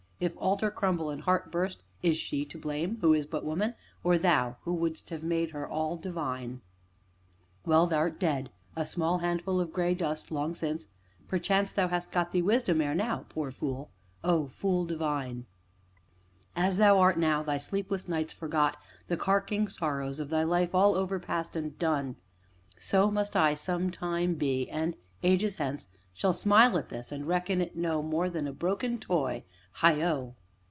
If altar crumble and heart burst, is she to blame who is but woman, or thou, who wouldst have made her all divine? Well, thou'rt dead a small handful of gray dust, long since perchance thou hast got thee wisdom ere now poor fool O Fool Divine! As thou art now, thy sleepless nights forgot the carking sorrows of thy life all overpast, and done so must I some time be, and, ages hence, shall smile at this, and reckon it no more than a broken toy heigho!